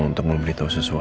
untuk memberitahu sesuatu